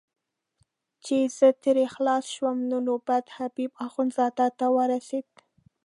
چې زه ترې خلاص شوم نو نوبت حبیب اخندزاده ته ورسېد.